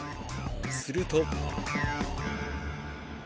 すると。